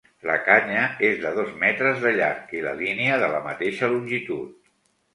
La canya és de dos metres de llarg i la línia de la mateixa longitud.